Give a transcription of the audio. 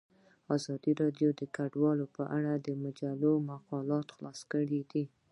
ازادي راډیو د کډوال په اړه د مجلو مقالو خلاصه کړې.